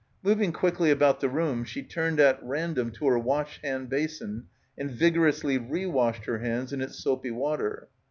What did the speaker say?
Moving quickly about the room, she turned at random to her washhand basin and vigorously rewashed her hands in its soapy water.